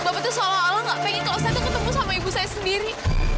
bapak itu seolah olah gak pengen kalau saya ketemu sama ibu saya sendiri